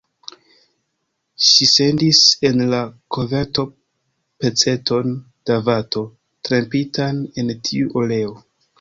Ŝi sendis en la koverto peceton da vato trempitan en tiu oleo.